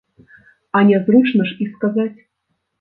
А нязручна ж і сказаць.